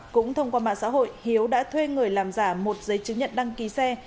cũng thông qua mạng xã hội hiếu đã thuê người làm giả một giấy chứng nhận đăng ký xe